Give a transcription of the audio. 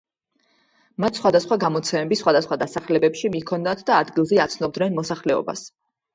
მათ სხვადასხვა გამოცემები სხვადასხვა დასახლებებში მიჰქონდათ და ადგილზე აცნობდნენ მოსახლეობას.